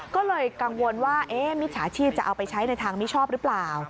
ก็เลยกังวลว่ามิจฉาชีพจะเอาไปใช้ในทางมิชอบหรือเปล่า